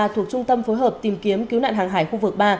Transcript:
thuộc trung tâm phối hợp tìm kiếm cứu nạn hàng hải khu vực ba